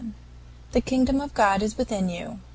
23. "THE KINGDOM OF GOD IS WITHIN YOU."